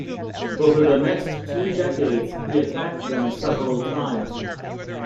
Over the next two decades, he attacked them several times.